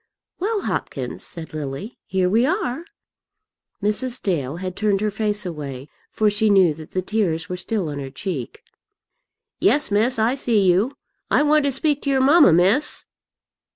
"Well, Hopkins," said Lily, "here we are." Mrs. Dale had turned her face away, for she knew that the tears were still on her cheek. "Yes, miss, I see you. I want to speak to your mamma, miss."